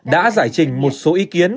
đã giải trình một số ý kiến